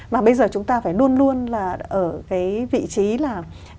mà bây giờ chúng ta phải luôn luôn là ở cái vị trí là